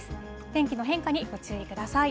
天気の変化にご注意ください。